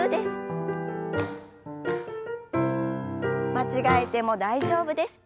間違えても大丈夫です。